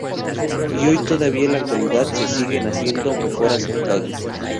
Y hoy todavía en la actualidad se siguen haciendo mejoras en ellas.